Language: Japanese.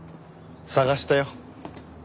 捜したよ。